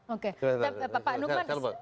oke pak numan